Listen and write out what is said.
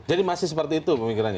jadi masih seperti itu pemikirannya